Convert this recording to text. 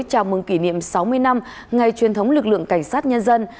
chào mừng kỷ niệm sáu mươi năm ngày truyền thống lực lượng cảnh sát nhân dân